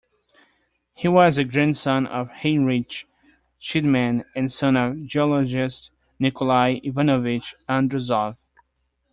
He was a grandson of Heinrich Schliemann and son of geologist Nicolai Ivanovich Andrusov.